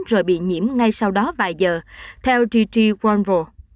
rồi bị nhiễm ngay sau đó vài giờ theo gigi granville